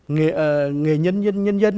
nghệ nhân nhân dân